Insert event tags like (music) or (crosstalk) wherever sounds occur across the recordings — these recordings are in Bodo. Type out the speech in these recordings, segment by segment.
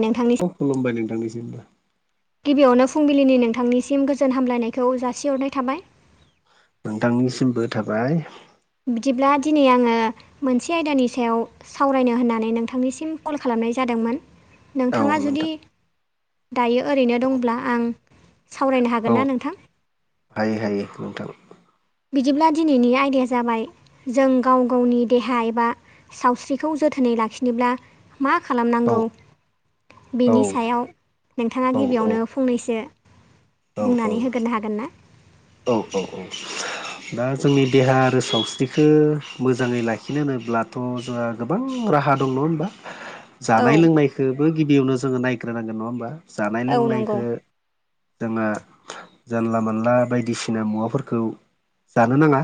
नोंथांनि औ खुलुमबाय नोंथांनिसिमबो गिबियावनो फुंबिलिनि नोंथांनिसिम गोजोन हामलायनायखौ जासिहरनाय थाबाय नोंथांनिसिमबो थाबाय बिदिब्ला दिनै आङो मोनसे आयदानि सायाव सावरायनो होननानै नोंथांनिसिम कल खालामनाय जादोंमोन औ नोंथाङा जुदि नोंथां दायो ओरैनो दंब्ला आं सावरायनो हागोन औ ना नोंथां हायो हायो नोंथां बिदिब्ला दिनैनि आयदाया जाबाय जों गाव गावनि देहा एबा सावस्रि सावस्रिखौ जोथोनै लाखिनोब्ला मा औ खालामनांगौ औ बेनि सायाव नोंथाङा औ गिबियावनो फंनैसो बुंनानै औ होग्रोनो हागोन ना औ औ औ दा जोंनि देहा आरो सावस्रिखौ मोजाङै लाखिनो होनोब्लाथ' जोंहा गोबां राहा दं नडा' होनबा (inaudible) जानाय लोंनायखौबो गिबियावनो जोङो नायग्रोनांगोन नङा होमबा जानाय औ नंगौ लोंनायखौ जोंहा जानला मानला बायदिसिना मुवाफोरखौ जानो नाङा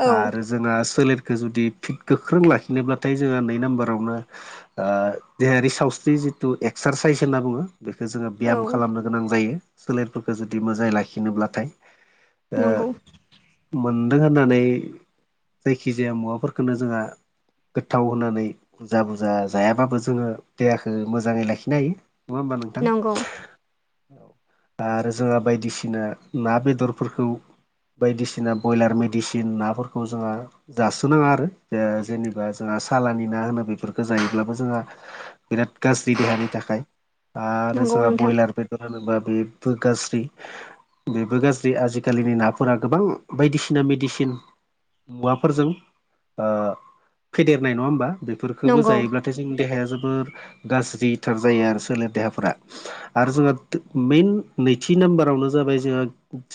औ आरो जोंहा सोलेरखौ जुदि फिट गोख्रों लाखिनोब्लाथाय जोंहा नै नाम्बारावनो देहायारि सावथ्रि जिथु एक्सारसाइस होनना बुङो बेखौ जोङो औ ब्याम खालामनो गोनां जायो सोलेरफोरखौ जुदि मोजाङै लाखिनोब्लाथाय नंगौ मोनदों होननानै जायखिजाया मुवाफोरखौनो जोंहा गोथाव होनानै बुरजा बुरजा जायाब्लाो जोङो देहाखौ मोजाङै लाखिनो हायो नङा होमबा नोंथां नंगौ औ आरो जोंहा बायदिसिना ना बेदर बेदरफोरखौ बायदिसिना ब्रयलार मेडिसिन नाफोरखौ जोंहा जासोनाङा आरो जेनेबा जोंहा सालानि ना होनो बेफोरखौ जायोब्लाबो जोंहा बिराद गाज्रि देहानि थाखाय आरो नंगौ जोंहा नोंथां ब्रयलार बेदर होनोबा बेबो गाज्रि बेबो गाज्रि जों आजिखालिनि नाफोरा गोबां बायदिसिना मेडिसिन मुवाफोरजों फेदेरनाय नङा होमबा बेफोरखौबो नंगौ जायोब्ला नाथाय जोंनि देहाया जोबोर गाज्रिथार जायो आरो सोलेर देहाफोरा आरो जोंहा मेन नैथि नाम्बारावनो जाबाय जोंहा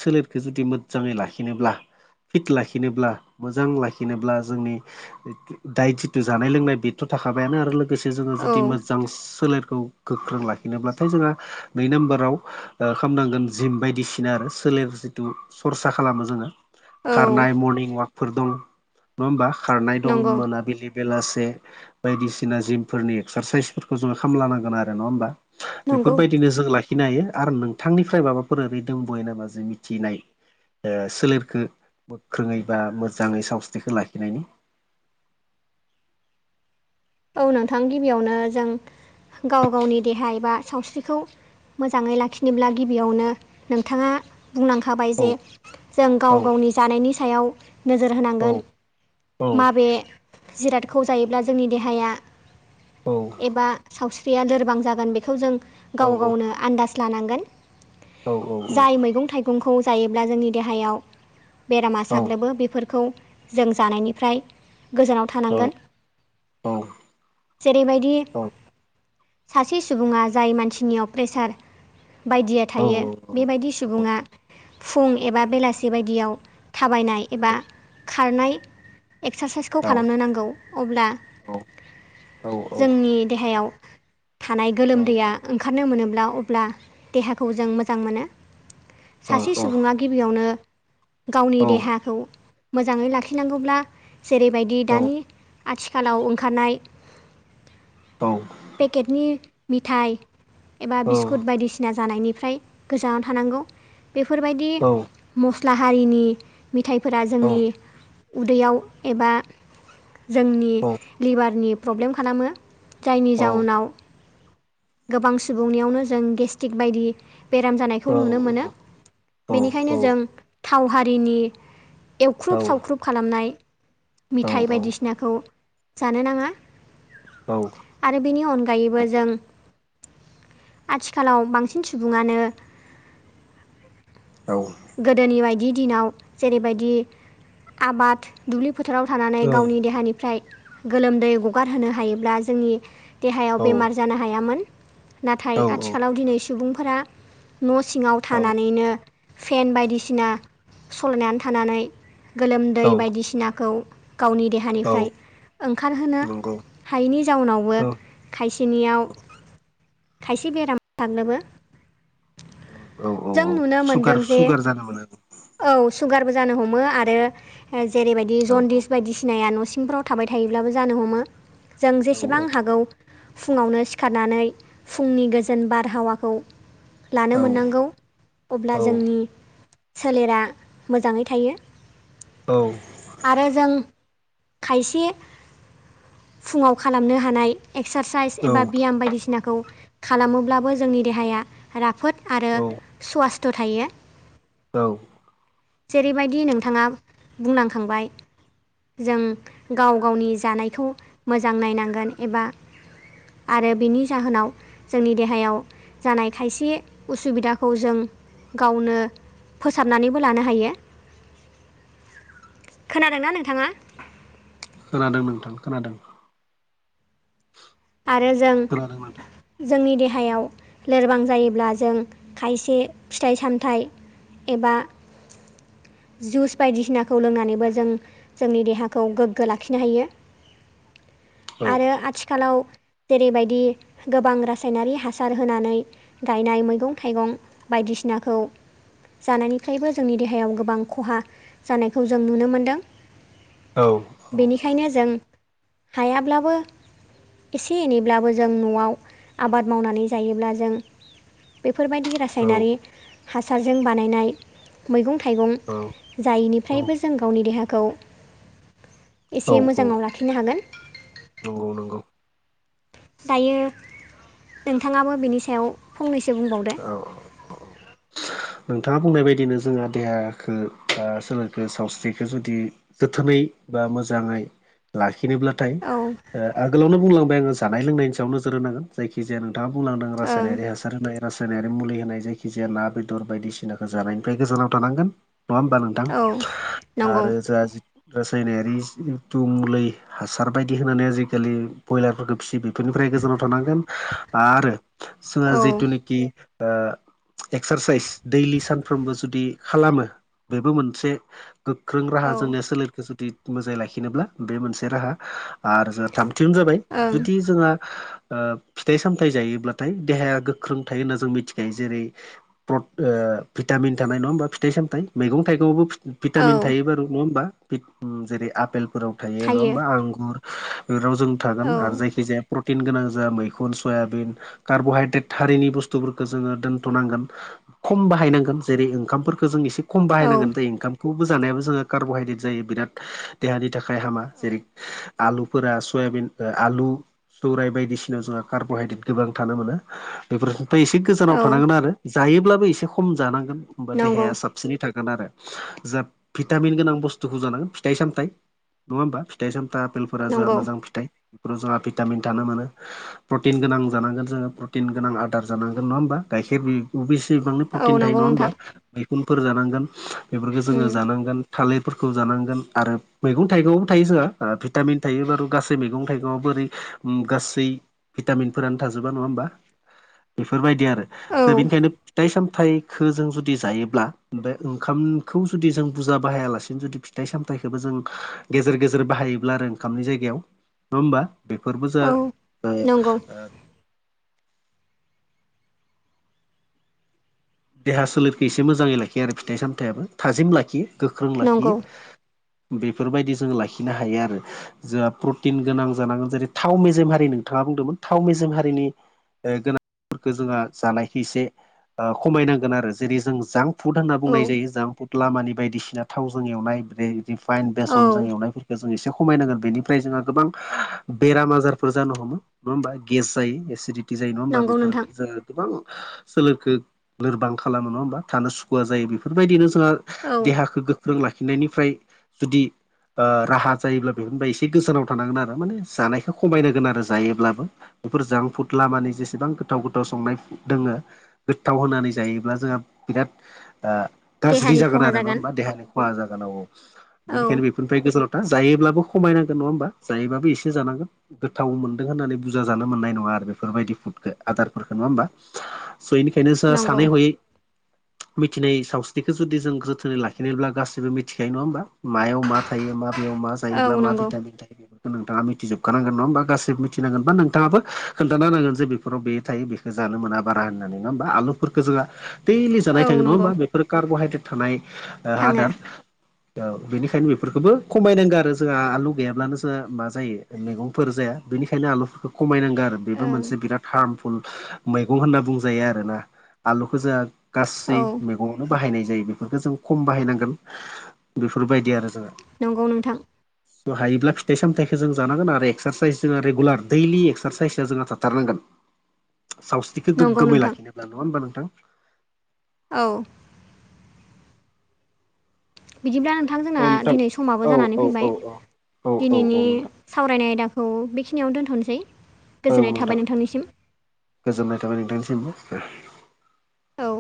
सोलेरखौ जुदि मोजाङै लाखिनोब्ला फिट लाखिनोब्ला मोजां लाखिनोब्ला जोंनि दाय जिथु जानाय लोंनाय बेथ' थाखाबायानो आरो लोगोसे जोङो औ जुदि मोजां सोलेरखौ गोख्रों लाखिनोब्लाथाय जोंहा नै नाम्बाराव खालामनांगोन जिम बायदिसिना आरो सोलेर जिथु सरसा खालामो जोङो औ खारनाय मरनिं वाकफोर दं नङा होमबा खारनाय दं नंगौ मोनाबिलि बेलासे बायदिसिना जिमफोरनि एक्सारसाइसफोरखौ जोङो खामला नांगोन आरो नङा होमबा नंगौ बेफोरबायदिनो जों लाखिनो हायो आरो नोंथांनिफ्राय माबाफोर ओरै दंबयो नामा जों मिथिनाय सोलेरखौ गोख्रोङै बा मोजाङै सावस्रिखौ लाखिनायनि औ नोंथां गिबियावनो जों गाव गावनि देहा एबा सावस्रिखौ मोजाङै लाखिनोब्ला गिबियावनो नोंथाङा बुंनांखाबाय औ जे जों गाव औ गावनि जानायनि सायाव नोजोर औ होनांगोन औ माबे जिरादखौ जायोब्ला जोंनि देहाया औ एबा सावस्रिया लोरबां जागोन बेखौ जों औ गाव गावनो आन्दाज लानांगोन औ औ औ जाय मैगं थाइगंखौ जायोब्ला जोंनि देहायाव बेरामा साग्लोबो बेफोरखौ जों जानायनिफ्राय गोजानाव औ थानांगोन जेरैबायदि सासे सुबुङा जाय मानसिनियाव प्रेसार बायदिया थायो बेबायदि सुबुङा फुं एबा बेलासि बायदियाव थाबायनाय एबा खारनाय एक्सारसाइसखौ खालामनो नांगौ अब्ला जोंनि देहायाव थानाय गोलोमदैया ओंखारनो मोनोब्ला अब्ला देहाखौ जों मोजां मोनो सासे सुबुङा गिबियावनो गावनि देहाखौ मोजाङै लाखिनांगौब्ला जेरैबायदि दानि आथिखालाव ओं होखानाय पेकेटनि मिथाइ एबा बिस्कुट बायदिसिना जानायनिफ्राय गोजानाव थानांगौ बेफोरबायदि मस्ला हारिनि मिथाइफोरा जोंनि उदैयाव एबा जोंनि लिभारनि प्रब्लेम खालामो जायनि जाउनाव गोबां सुबुंनियावनो जों गेस्टिक बायदि बेराम जानायखौ नुनो मोनो बेनिखायनो जों थाव हारिनि एवख्रुब सावख्रुब खालामनाय मेथाइ बायदिसिनाखौ जानो नाङा औ आरो बेनि अनगायैबो जों आथिखालाव बांसिन सुबुङानो औ गोदोनि बायदि दिनाव जेरैबायदि आबाद दुब्लि फोथाराव थानानै औ गावनि देहानिफ्राय गोलोमदै हगारहोनो हायोब्ला जोंनि औ देहायाव बेमार जानो हायामोन नाथाय आथिखालाव दिनै सुबुंफोरा न' सिङाव औ थानानैनो फेन बायदिसिना सालायनानै थानानै गोलोमदै औ बायदिसिनाखौ गावनि औ देहानिफ्राय ओंखारहोनो नंगौ हायैनि जाउनावबो औ खायसेनियाव खायसे बेराम जाग्लोबो औ औ औ नुनो सुगार मोनदों जे सुगार जादोंमोन आरो औ सुगारबो जानो हमो आरो जेरैबायदि औ औ जनदिस बायदिसिनाया न'सिंफ्राव थाबाय थायोब्लाबो जानो हमो जों औ औ जेसेबां हागौ फुङावनो सिखारनानै फुंनि गोजोन बारहावाखौ लानो औ मोननांगौ अब्ला जोंनि सोलेरा मोजाङै थायो आरो जों खायसे फुङाव खालामनो हानाय एक्सारसाइस औ एबा बियाम बायदिसिनाखौ खालामोब्लाबो जोंनि देहाया राफोद आरो औ स्वासथ' थायो औ जेरैबायदि नोंथाङा बुंलांखांबाय जों गाव गावनि जानायखौ मोजां नायनांगोन एबा आरो बिनि जाहोनाव जोंनि देहायाव जानाय खायसे उसुबिदाखौ जों गावनो फोसाबनानैबो लानो हायो खोनादोंना नोंथाङा खोनादों नोंथां खोनादों आरो जों खोनादों नोंथां जोंनि देहायाव लोरबां जायोब्ला जों खायसे फिथाइ सामथाइ एबा जुस बायदिसिनाखौ लोंनानैबो जों जोंनि देहाखौ गोग्गो लाखिनो हायो औ आरो आथिखालाव जेरैबायदि गोबां रासायनारि हासार होनानै गायनाय मैगं थाइगं बायदिसिनाखौ जानायनिफ्रायबो जोंनि देहायाव गोबां खहा जानायखौ जों नुनो मोनदों औ औ बेनिखायनो जों हायाब्लाबो एसे एनैब्लाबो जों न'आव आबाद मावनानै जायोब्ला जों बेफोरबायदि रास औ रासायनारि हासारजों बानायनाय मैगं थाइगं औ जायैनिफ्रायबो जों गावनि देहाखौ औ एसे औ मोजाङाव लाखिनो हागोन नंगौ नंगौ दायो नोंथाङाबो बिनि सायाव फंनैसो बुंबावदो औ औ नोंथाङा बुंनाय बायदिनो जोंहा देहाखौ ओ सोलेरखो सावस्रिखौ जुदि गोोथोनै बा मोजाङै लाखिनोब्ला नाथाय औ आगोलावनो बुंलांबाय आङो जानाय लोंनायनि सायाव नोजोर होनांगोन जायखि जाया दा बुंलांदों ओं रासायनारि हासार होनाय रासायनारि मुलि होनाय जायखि जाया लाबो बेदर बायदिसिनाखौ जानायनिफ्राय गोजानाव थानांगोन नङा होमबा नोंथां औ नंगौ आरो जोंहा रासायनारि एथु मलै हासार बायदि होनानै आजिखालि ब्रयलारफोरखौ फिसिबाय बेफोरनिफ्राय गोजानाव थानांगोन आरो जोंहा औ जिथुनाखि ओ एक्स साइस दैलि सानफ्रामबो जुदि खालामो बेबो मोनसे गोख्रों राहा औ जोंनि सोलेरखौ जुदि मोजाङै लाखिनोब्ला बे मोनसे राहा आरो जोंहा थामथियावनो जाबाय ओं जुदि जोंहा फिथाइ सामथायाइ जायोब्लाथाय देहाया गोख्रों थायो होनना जों मिथिखायो जेरै भिटामिन थानाय नङा होमबा फिथाइ सामथायाइ मैगं थाइगंआवबो भिटामिन औ थायोबार' नङा होमबा जेरै आफपेलफोराव थायो नङा होमबा आंगुर बे राव जों थागोन आरो औ जायखिजाया प्रटिन गोनां जों मैखुन सयाबिन कार्ब'हाइद्रेट थारिनि बुस्थुफोरखौ जोङो दोन्थ'नांगोन खम बाहायनांगोन जेरै ओंखामफोरखौ जों एसे खम औ बाहायनांगोन जाय ओंखाम खौखौबो जानायाबो जोङो कार्ब'हायद्रेट जायो बिराद देहानि थाखाय हामा जेरै आलुफोरा सयाबिन आलु दौराय बायदिसिनााव जोंहा कार्ब'हाइद्रेट गोबां थानो मोनो बेफोरनिफ्राय एसे गोजानाव औ थानांगोन आरो जायोब्लाबो एसे खम जानांगोन होमबा नंगौ देहाया साब बिसिनै थागोन आरो जा भिटामिन गोनां बुस्थुखौ जानांगोन फिथाइ सामथाइ नङा होमबा फिथाइ सामथाइ आपेलफोरा जोंहा नंगौ मोजां फिथाइ बेफोराव जोंहा भिटामिन थानो मोनो प्रटिन गोनां जानांगोन जोङो प्रटिन गोनां आदार जानांगोन नङा होमबा गाइखेर अ गोबां प्रटिन औ थायो नंगौ नङा होनबा नोंथां थालिर मैखुनफोर उम जानांगोन फोरखौ जानांगोन आरो मैगं थाइगंवावबो थायो जोंहा भिटामिन थायो बार' गासै मैगं थाइगंआ बोरै गासै भिटामिनफोरानो थाजोबा नङा होमबा बेफोरबायदि आरो औ ज बेनिखायनो फिथाइ सामथखौ जों जुदि जायोब्ला बे ओंखामखौ जु जों बुरजा बाहायालानो जु फिथाइ सामथायाइखौबो जों गेजेर गेजेर बाहायोब्ला आरो ओंखामनि जायगायाव नङा होमबा बेफोरबो जा औ नंगौ देहा सोलेरखौ एसे मोजाङै लाखियो आरो फिथाइ सामथायाइाबो थाजिम लाखियो गोख्रों नंगौ लाखियो बेफोरबायदि जोंङ लाखिनो हायो आरो जोंहा प्रटिन गोनां जानांगोन जेरै थाव मेजेम हारि नोंथाङा बुंदोंमोन थाव मेजेम हारिनि गोनांफोरखौ जोंहा जानायखै एसे खमायनांगोन आरो जेरै जों जांक फुड होनना औ बुंनाय जायो जांक फुड लामानि बायदिसिना थावजों एवनाय बेै रिफाइन बेसनजों औ एवनायफोरखौ जों एसे खमायनांगोन बेनिफ्राय जोंहा गोबां बेराम आजारफोर जानो हमो नङा होमबा गेस जायो एसिडटि जायो नङा होमा नंगौ बेफोर नोंथां जो गोबां सोलोखौ लोरबां खालामो नङा होमबा थानो सुखुवआ जायो बेफोरबायदिनो जोंहा औ देहाखौ गो फोरों लाखिनायनिफ्राय जुदि राहा जायोब्ला बेफोरनिफ्राय एसे गोजानाव थानांगोन आरो माने जानायखौ खमायनांगोन आरो जायोब्लाबो बेफोरजों फुट लामानि जेसेबां गोथाव गोथाव संनाय दङो गोथाव होनानै जायोल्बा जोंहा बिराद गाज्रि देहानि खहा जागोन देहानि खहा जागोन औ औ औ बेनिखायनो बेफोरनिफ्राय गोजाव दा जायोब्लाबो खमायनांगोन नङा होमबा जायोबाबो एसे जानांगोन गोथाव मोनदों होननानै बुरजा जानो मोननाय नङा आरो बेफोरबायदि फुदखौ आदारफोरखौ नङा होमबा स' बेनिखायनो जोंहा नंगौ सानै हयै मिथिनाय सावस्रिखौ जुदि जों जोथोनै लाखिनायब्ला गासैबो मिथिखायो नङा होमबा मायाव मा थायो मायाव मा औ जायोब्ला मा नंगौ भिटामिन थायो बे नोंथाङा मिथिजोबखानांगोन नङा होमबा गाससिबो मिथिनांगोनबा नोंथाङाबो खोनथानो नांगोन ज बेफोराव बे थायो बे जानो मोना बारा होननानै नङ होमबा आलु फोरखौ जोंहा दैलि औ जानाय थाङो नङा नंगौ होमा बेफोर कार्बहाइद्रेट थानाय थाङो आदार औ बेनिखायनो बेफोरखौबो खमायनांगौ आरो जोंहा आलु गैयाब्लानो जोंहा मा जायो मैगंफोर जाया बेनिखायनो आलुफोरखो खमायनांगो आरो बेबो ओं मोनसे बिराद हार्मफुल मैगं होनना बुंजायो आरोना आलुखो जोंहा गासै औ मै गङावनो बाहायनाय जायो बेफोरफोरखो जों खम बाहायनांगोन बेफोरबायदि आरो जोङो नंगौ नोंथां हायोब्ला फिथाइ सामथायाइखौ जों जानांगोन आरो एक्सारसाइस जोङो रेगुलार दैलि एक्सारसाइसआ जोंहा थाथारनांगोन सावस्रिखौ नंगौ गोगोमै नोंथां लाखिनोब्ला नङा होमबा नोंथां औ बिदिब्ला नोंथां जोंना औ नोंथां दिनै समाबो औ जानानै फैबाय औ औ औ औ दिनैनि औ नोंथां सावरायनाय आयदाखौ बेखिनियाव दोनथनोसै औ गोजोननाय थाबाय नोंथां नोंथांनिसिम गोजोननाय थाबाय नोंथांनिसिमबो औ